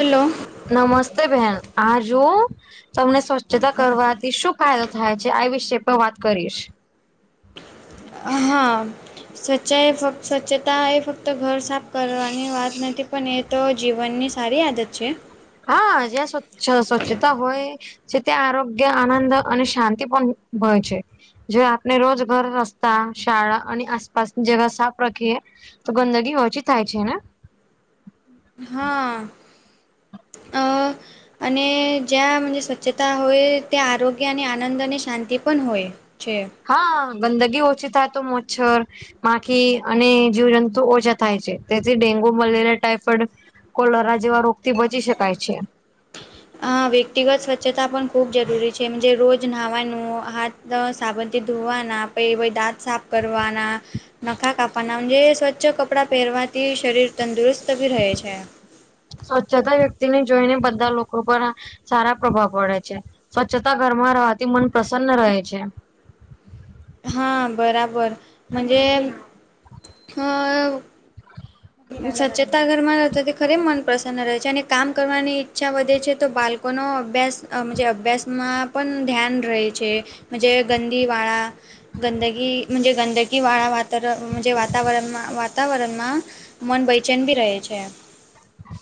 Hello નમસ્તે બહેન આ જો તમને સ્વચ્છતા કરવાથી શું ફાયદો થાય છે, આ વિશે પણ વાત કરીશ હા. સ્વચ્છા એ સ્વચ્છતા એ ફક્ત ઘર સાફ કરવાની વાત નથી પણ એ તો જીવનની સારી આદત છે. હા જ્યા સ્વચ્છ સ્વચ્છતા હોય છે, ત્યા આરોગ્ય, આનંદ અને શાંતિ પણ હોય છે. જો આપને રોજ ઘર રસ્તા, શાળા અને આસપાસ જગા સાફ રખીએ તો ગંદગી ઓછી થાય છે, ને? હા. અને જ્યાં સ્વચ્છતા હોય ત્યાં આરોગ્ય અને આનંદ અને શાંતિ પન હોય છે. હા ગંદગી ઓછી થાય તો મચ્છર માખી અને જીવજંતુ ઓછા થાય છે, તેથી ડેન્ગુ, મલેરિયા, ટાઈફોઈડ કોલરા જેવા રોગ થી બચી શકાય છે. અ વ્યક્તિગત સ્વચ્છતા પણ ખૂબ જરૂરી છે, મુજે રોજ નહાવાનું, હા સાબનથી ધોવાના પહિ પહી દાંત સાફ કરવાના નખા કાપવાના જે સ્વચ્છ કપડા પહેરવાથી શરીર તંદુરસ્તી ભી રહે છે. સ્વચ્છતા વ્યક્તિ ને જોઈને બધા લોકો પર આ સારા પ્રભાવ પડે છે, સ્વચ્છતા ઘરમાં રવાથી મન પ્રસન્ન રહે છે. હા બરાબર મજે હ [inaudible] સચછતા ઘરમાં રહતે ત ખરે મન પ્રસન્ન રહે છે, અને કામ કરવાની ઈચ્છા વધે છે, તો બાલ કોનો અભ્યાસજ અ મજે અભ્યાસમાં પન ધ્યાન રહે છે. મજે ગંદી વાળા ગંદગી મુ જે ગંદગીવાળા વાતર મુજે વાતાવરણમાં વાતાવરણમાં મન બયચેન બી રહે છે.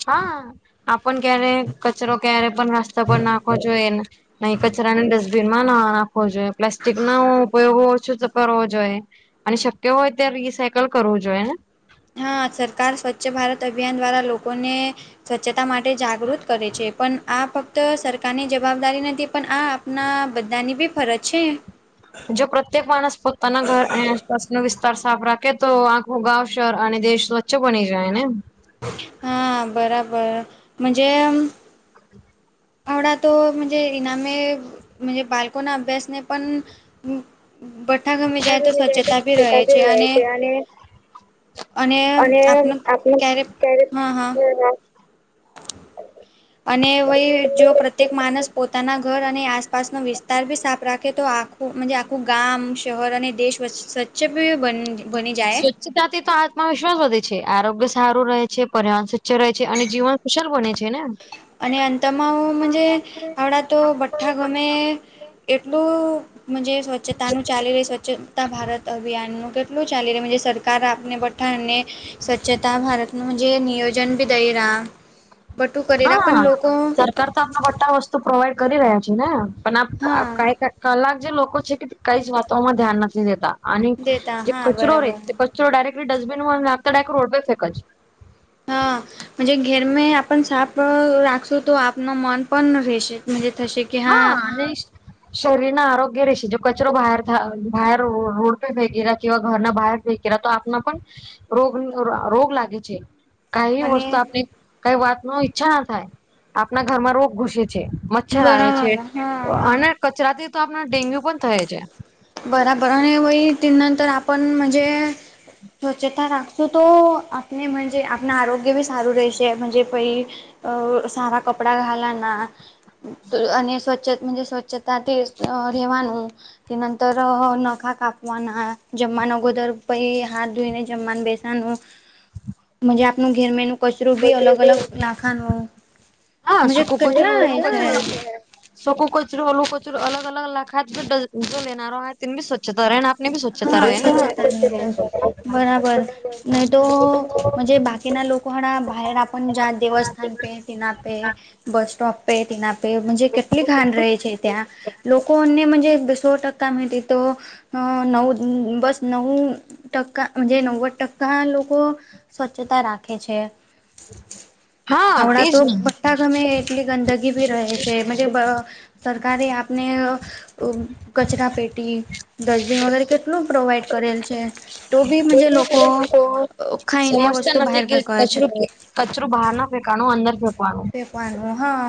હા આપન ક્યારે કચરો ક્યારે પણ નાસ્તા પર નાખો જોઈએ નહી કચરાને ડસ્ટ [unintelligible] માં ના નાખવો જોઈએ પ્લાસ્ટિકનો ઉપયોગો ઓછો કરવો જોઈએ. અને શક્ય હોય ત્યા રિસાયકલ કરવું જોઈએને? હા સરકાર સ્વચ્છ ભારત અભિયાન દ્વારા લોકોને સ્વચ્છતા માટે જાગૃત કરે છે, પણ આ ફક્ત સરકારની જવાબદારી નથી પણ આ ના બધાની બી ફરજ છે. જો પ્રત્યેક માણસ પોતાના ઘર અને બસ નો વિસ્તાર સાફ રાખે તો આખું ગાવ શહર અને દેશ સ્વચ્છ બની જાય ને? હા બરાબર મુજે હમણાં તો મંજે ઈનામે, મંજે બાલકોના અભ્યાસને પણ ભઠ્ઠા ગમી જાય તો સ્વચ્છતા ભી રહે છે, અને અને આપનો ક્યારે હા હા અને વય જો પ્રત્યેક માનસ પોતાના ઘર અને આસ પાાસનો વિસ્તાર બી સા રાખે તો આખું મજે આખું ગામ શહેર અને દેશ સ્વચ્છ બી બન [inaudible] તાથી તો આત્મવિશ્વાસ વધે છે, આરોગ્ય સારું રહે છે, પર્યાવરણ સ્વચ્છ રહે છે, અને જીવન કુશલ બને છે, ને? અને અંતમાં મજે આડા તો ભઠ્ઠા ગમે એટલું સ્વચ્છતાનું ચાલી રહી સ્વચ્છતા ભારત અભિયાનનું કે કેટલું ચાલી રહયું સરકાર આપને બધાને સ્વચ્છતા ભારતનું જે નિયોજન બી દઈરા બટું કરીરા હઅ, સરકાર તો આપણા બટા વસ્તુ પ્રોવાઈડ કરી રહ્યા છે ને, પણ આ આ હા કાયદા કલાક જે લોકો છે, કે કઈ જ વાતોમાં ધ્યાન નથી દેતા અને દેતા જે હા કચરો રે બરાબર કચરો ડાયરેકલી ડસ્ટબિનમાં નાખતા ડાયરેક રોડપે ફેકજ હા. ઘેર મે આપ સાફ રાખશું તો આપનું મન પણ રહેશે થશે. હા અને શરીરના આરોગ્ય રશે જો કચરોરર બહાર રોડ પે ભેગેલા કેવા ઘરના બહર ફે કે તો આપના પણ રોગ રોગ લાગે છે. કઈ અને વસ્તુ આપની કઈ વાત ન ઈચ્છા ના થાય, આપણા ઘરમાં રોગ ઘુસે મચ્છર આવે છે અને કચરાથી તો આપણ ડેન્ગ્યુ પણ થય છે. બરાબર અને વહી ત નંતર આપણ મજે સ્વચ્છતા રાખશું તો આપનેજે આપના આરોગ્ય બી સારું રહેશે મજ પ અ સારા કપડા ઘાલાના અને સ્વચ્છ સ્વચ્છતાથી રહેેવાનું તેર ત નખા કાપવાના, જમવાનું અગોદર પછ હાથ ધોઈ ને જમવાનું બેસનું [inaudible] જ આપનું ઘર મેન કચરું બી અલગ અલગ લાખાનું હા મજ કેટલા હ છે? શકું કચરું, ઓલું કચરું અલગ અલગ લાખા ડ જો લેના તિની સ્વચ્છતા ર રહેણ આપની સ્વચ્છતા હા રહે સ્વચ્છતાની રેમ બરાબર નહી તો જ બાકીના લોકો હણા બાર આપ જ્યા દેવસ્થાન પેટના પે બસસ્ટોપ પે તીના કેટલી ખાાન રહે છે, ત્યાં લોકોને સો ટકા મળી તો અ નવ બસ નવ ટકાજ નવદ ટકા લોકો સ્વચ્છતા રાખે છે. [inaudible] આવડા તેજ તો ને બા ગમે એટલી ગંદગી ભી રહે છે મજે [unintelligible] સરકારે આપને કચરા પેટી ડસ્ટબિન વગેરે કેટલું પ્રોવાઈડ કરેલ છે, તો બી મજે લોકો ખાઈને વસ્તુ બહાર ફેંકવે છે. કચરું બહાર ના ફેંકાવાનું અંદર ફેંકવાનું પ પાનું હા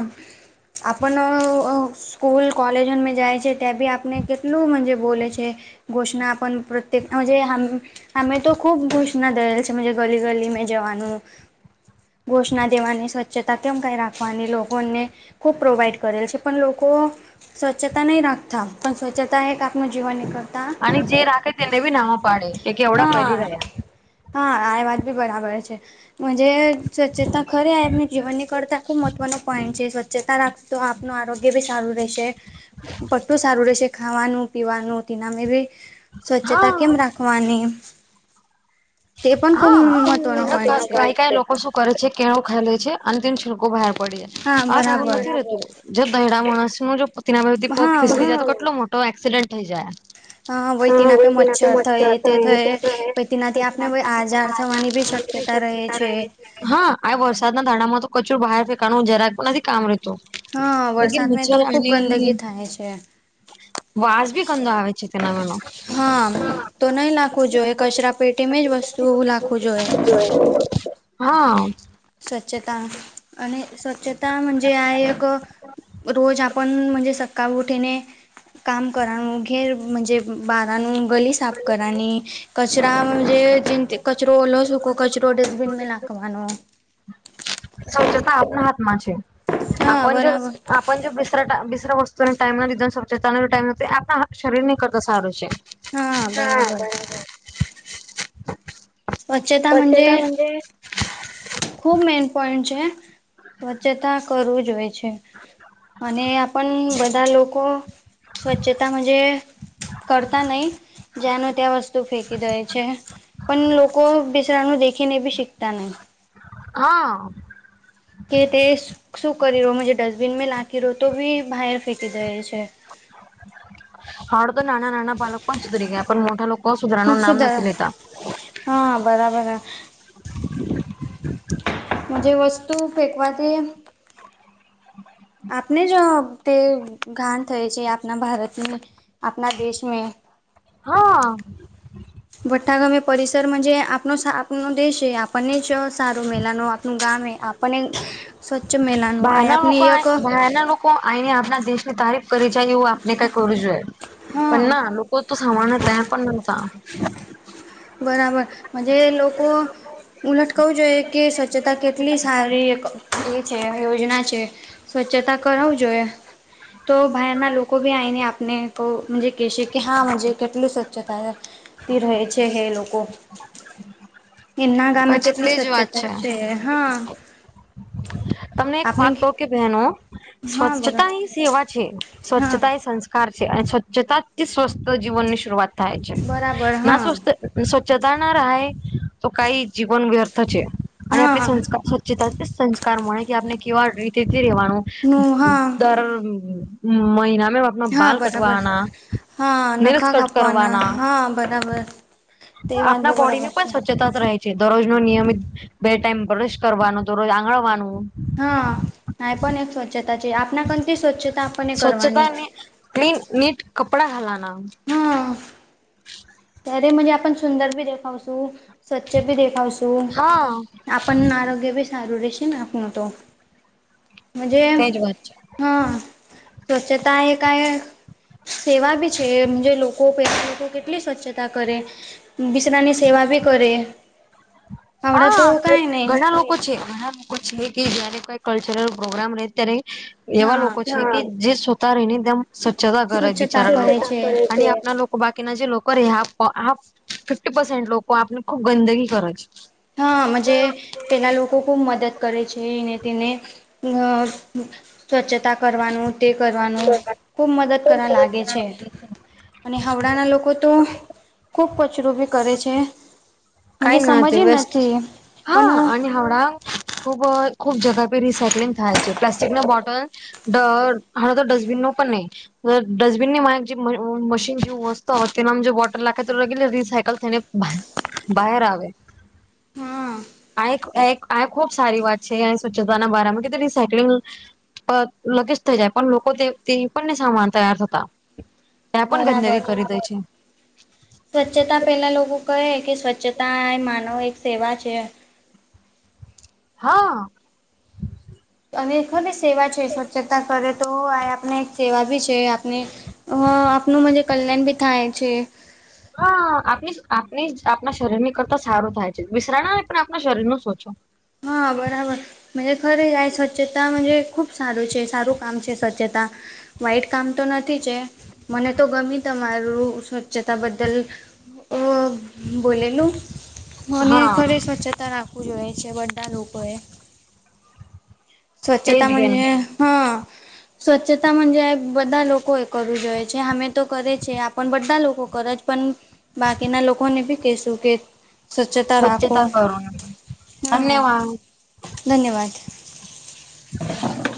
આપણ સ્કૂલ કોલેજ મે જાય છે ત્યાં બી આપને કેટલું મજે બોલે છે, ઘોષણા આપણ પ્રતકમે તો ખબુ [unintelligible] [unintelligible] લ છે ગલી ગલી મે જવાનું ઘોષ દેવાની છતાં કેમ કઈ રાખવાની લોકોને ખૂબ પ્રોવાઈડ કરેલ છે પણ લોકો સ્વચ્છતા નહી રાખતા, પણ સ્વચ્છતા એક આપનું જીવન એક. અને જે રાખે તેને બી નામ પાડે કે કેવડા હા કરી રહ્યા. હા આ વાત બી બરાબર છેજ સ્વચ્છેતા ખરી આ. જીવનની કરતાં ખૂબ મહત્ત્વનો પોઈન્ટ છે, સ્વચ્છતા રાખતો આપનું આરોગ્ય બી સારું રહેશે. બધું સારું રહેશે, ખાવાનું, પીવાનું, તેનામે ભી સ્વચ્છતા હા કેમ રાખ વાની. [unintelligible] હા મહત્વનો પોઈન્ટ છે ક કઈ લોકો સુખ. કરે છે કેળું ખાઈ લે છે અંતિમ છિડકો બહાર પડી જાય હા નથી રહેતું જે દહેડા માણસ નું જો પતિના બધી પગ ફીસ હા જાય તો કેટલો મોટ તો એક્સિડન્ટ થઈ જાય. વય હા તેના પે નઈ તો મચ્છર થય મચ્જર તે થઈ થય થ પછ [inaudible] તેનાથી આપને આજાર થવાની બી શક્યતા રહે છે. હા આ વરસાદના ધાણા માં તો કચરું બહાર ફેંકાવા જરાક નથી કામ રેતું હા વરસાદમાં તો ખુબ ગંદગી થાય છે. [unintelligible] વાસ બી કંધો આવે છે તેનવીનો. હા [unintelligible] તો નહી નાખવું જોઈએ, કચરા પેટીમાં જ વસ્તુ એવું નાખવું જોઈએ. હા. સ્વચ્છતા અને સ્વચ્છતા મજે આ એક રોજ આપને સકા ઉઠીને કામ કરાનું ઘેર મજે બારાનું ગલી સાફ કરવાની, કચરા કચરો ઓલ સુક કચરો ટો ડેસબિન મે નાખવાનો. સ્વચ્છતા આપના હાથમાં છે. હા આપન જો બરાબર પણ જો બિસરા બિશ્રા વસ્તુની ટાઈમ નથી સ્વચ્છતા નો ટાઈમ નથી આપણા શરીર ની કરતા સારું છે. હા બરાબર. સ્વચ્છતા મંજે? ખુબ મેન પોઈન્ટ છે, સ્વચ્છતા કરવું જ હોય છે. અને આપણ બધા લોકો સ્વચ્છતા માં જે કરતા નહી જ્યાંનું ત્યાં વસ્તુ ફેંકી દહે છે પણ લોક કો બીજાનું દેખીને બી શીખતા નહી. હા. કે તે શું કરી રહ્યો ડસ્ટબિનમાં લાખી રહો તો બી બહાર ફેંકી દે છે. હાડ તો નાના નાના બાળક પણ સુધરી ગયા પણ મોટા લોકો હું સુધરાનું શું દ નામ નથી લેતા. હા બરાબર હા. [inaudible] જે વસ્તુ ફેકવાથી [inaudible] આપને અ જ તે ગાન થાય છે આપના ભારતની, આપના દેશને. હા. વટ્ઠા ગમે પરિસર જે આપનો આપનો દેશ છે આપણને ચ સારું મેલા નું આપું ગામ આપને સ્વચ્છ મેલાનું આ બહારના લોકો આપની આઇ એક બહારના લોકો આઇને આપના દેશની તારીફ કરી જાય એવું આપને કાઈ કરવું જોઈએ. પણ હા ના લોકો તો સાંભળના ત્યા પણ નહતા. બરાબર. મજે લોકો ઉલટ કવું જોઈએ કે સ્વચ્છતા કેટલી સારી. એ છે યોજના છે. સ્વચ્છતા કરાવું જોઈએ. તો બહારના લોકો ભી આઈને આપને કો મુજ કહેશે કે હા મુજે કેટલું સ્વચ્છતા છે. તી રહે છે એલોકો એમના ગામે પછી કેટલી તેજ વાત સ્વચ્છતા છે હા. તમને એક આપણે વાત કહ કે બહેનો હા બોલો સ્વચ્છતા એ સેવા છે હા સ્વચ્છતા એ સન્સ કાર છે અને સ્વચ્છતાથી સ્વસ્થ જીવન ની શરૂઆત થાય છે. બરાબર ના હા સ્વસ્થ સ્વચ્છતા ના રહાય તો કાઈ જીવન વ્યર્થ છે. અને આપ હા સંસ્કાર વચ ચતાથી સંસ્કાર મળે કે આપને કેવા રીતેથી રેવાનું. નું હા દર મહિના મે હા બાલ બરાબર કટવાના, હા નેઇલસ નખા કટ કાપવાના કરવાના. હા બરાબર તે વાત બી આપણા બોડી ને બરાબર પણ છે સ્વચ્છતા જ રહે. દરરોજ નો નિયમિત બે ટાઈમ બ્રશ કરવાનું, દરરોજ આંગળવાનું. હા. આ પણ એક સ્વચ્છતા છે. આપના કથી સ્વચ્છતા આપણને કરવાની. સ્વચ્છતાને ક્લીન નીટ કપડા હલાના. હા. ત્યારે મજે આપ સુંદર બી દેખાવશું. સ્વચ્છ બી દેખાવશું, હા આપણ આરોગ્ય બી સારું રહેેશે નાખ તો. મજે? તેજ વાત છે હા સ્વચ્છતા એ કાઈ સેવા બી છે, જે લોકો પેલા લોકો કેટલી સ્વચ્છ તા કરે, વિશ્રાની સેવા બી કરે. આવડા તો હા.. કઈ નહી ઘણા લોકો છે, ઘણા લોકો છે કે જયારે કોઈ કલ્ચરલ પ્રોગ્રામ રહે, ત્યારે એવા હા લોકો છે, કે જે સુતા રહીને તેમ સ્વચ્છતા કરે સ્વચ્છતા બિચારા કરે લોકો છે અને આપ બાકીના જે લોકો રે હ હા ફિફ્ટી પર્સનટ લોકો આપને ખુબ ગંદગી કરે છે. હા. મજે પેલા લોકો ખૂબ મદદ કરે છેને તેને અ સ્વછતા તા કરવાનું, તે કરવાનું ખુબ મદદ કરવા લાગે છે. અને હાવડાના લોકો તો, ખૂબ કચરો બી કરે છે. કાઈ મજે ના તે સમજ વેસ્ટ નથી પણ હા.. હડા ખુબ, ખુબ જગ્યા પે રીસાયક્લિંગ થાય છે. પ્લાસ્ટિક ના બોટલ ડ હણા તો ડસ્ટબિન નો પણ નહી. ડસ્ટબિન ની મા જે મ મશીન જે વસ્ત હો, તેના જે બોટલ લખે તો લગી રિસાયકલ થઈને બહાર આવે. હા આ એક એક ખુબ સારી વાત છે. સ્વચ્છતાના બારામાં કે રિસાાયક્લિંગ લગે જ થઈ જાય, પણ લોકો તે પણને સામાન તૈયાર થતા. ત્યાં પણ બરાબર ગંદનગરી કરી દે છે. સ્વચ્છતા પહેલાં લોકો કહે, કે સ્વચ્છતા એ માનવ એક સેવા છે. હા.. અને ખરી સેવા છે. સ્વચ્છતા કરે તો, આ આપણે એક સેવા ભી છે. આપને હ અ આપનું મજ કલ્યાણ બી થાય છે. હા. આપ આપણી આપણા શરીર ની કરતા સારું થાય છે. વિશ્રણા ને પણ આપણા શરીર નું સોચો હા. બરાબર. [unintelligible] જ ખરે આ સ્વચ્છતા જ ખૂબ સારું છે, સારું કામ છે સ્વચ્છતા વાઈટ કામ તો નથી ચે. મને તો ગમી તમારું સ્વચ્છતા બદલ ઓ બોલેલુ, મને હા ખરે સ્વચ્છતા રાખવું જોઈએ છે, બધા લોકો એ તેજ સ્વચ્છતા બેન મજે [inaudible] સ્વચ્છતા મજ બધા લોકો એ કરવું જોઈએ છે જે અમે તો કરે છીએ આપણ બધા લોકો કરજ પણ બાકીના લોકોને બી કશું કે, સ્વચ્છતા રાખો. હમ. ધન્યવાદ ધન્યવાદ. [inaudible]